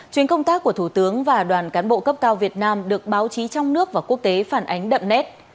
chuyến công tác của thủ tướng và đoàn cán bộ cấp cao việt nam được báo chí trong nước và quốc tế phản ánh đậm nét